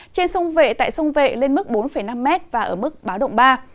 trên sông vệ tại sông vệ lên mức bốn năm m và ở mức báo động ba